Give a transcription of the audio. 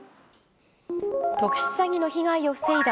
特殊詐欺の被害を防いだ